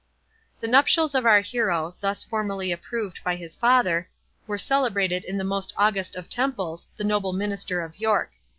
The nuptials of our hero, thus formally approved by his father, were celebrated in the most august of temples, the noble Minster of York.